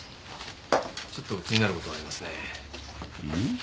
ちょっと気になることがありますねうん？